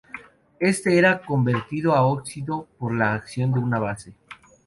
Este era convertido a óxido por la acción de una base.